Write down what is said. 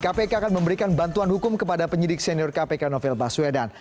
kpk akan memberikan bantuan hukum kepada penyidik senior kpk novel baswedan